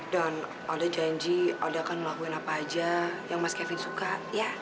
dan alda janji alda akan melakukan apa saja yang mas kevin suka ya